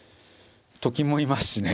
と金もいますしね。